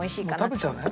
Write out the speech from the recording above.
食べちゃうね。